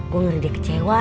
gue ngeri dia kecewa